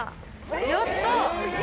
やった。